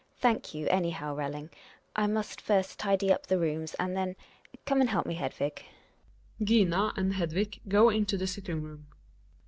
Thank you, anyhow, Relling. I must first tidy up the rooms and then Come and help me, Hedvig. GiNA and Hedvig go into the sitting room.